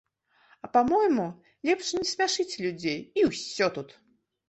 А па-мойму, лепш не смяшыце людзей, і ўсё тут!